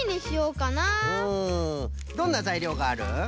うんどんなざいりょうがある？